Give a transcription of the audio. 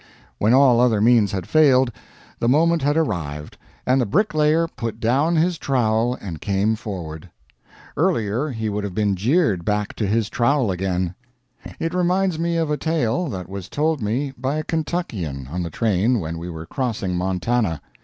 When all other means had failed, the Moment had arrived, and the Bricklayer put down his trowel and came forward. Earlier he would have been jeered back to his trowel again. It reminds me of a tale that was told me by a Kentuckian on the train when we were crossing Montana.